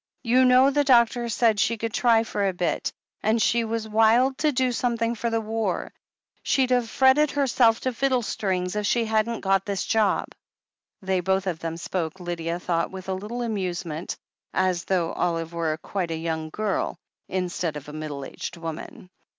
You know the doctor said she could try it for a bit, and she was wild to do something for the war. She'd have fretted herself to fiddlestrings if she hadn't got this job." They both of them spoke, Lydia thought with a little amusement, as though Olive were quite a young girl, instead of a middle aged woman.